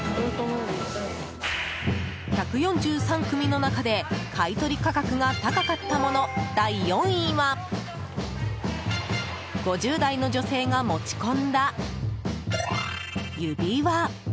１４３組の中で買取価格が高かった物、第４位は５０代の女性が持ち込んだ指輪！